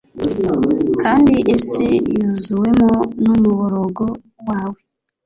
Kandi isi yuzuwemo n’umuborogo wawe